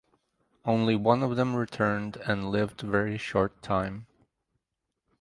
Only one of them returned and lived very short time.